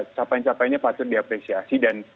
capain capainya patut diapresiasi dan